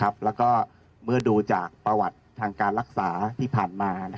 อีกกรรมทางการรักษาที่ผ่านมา